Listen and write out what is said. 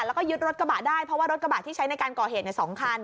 แล้วก็ยึดรถกระบะได้เพราะว่ารถกระบะที่ใช้ในการก่อเหตุ๒คัน